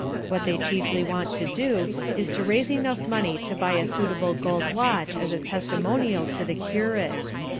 What they chiefly want to do, is to raise enough money to buy a suitable gold watch as a testimonial to the curate.